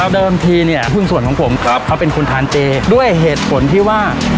เดิมทีเนี่ยหุ้นส่วนของผมเขาเป็นคนทานเจด้วยเหตุผลที่ว่า